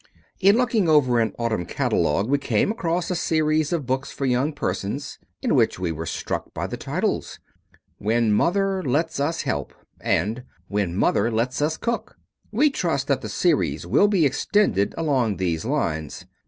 In looking over an autumn catalogue, we came across a series of books for young persons in which we were struck by the titles, When Mother Lets Us Help and When Mother Lets Us Cook. We trust that the series will be extended along these lines.